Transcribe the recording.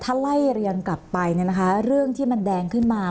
ถ้าไล่เรียนกลับไปเนี้ยนะคะเรื่องที่มันแดงขึ้นมา